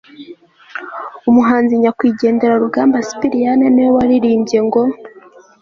umuhanzi nyakwigendera rugamba sipiriyane niwe waririmbye ngo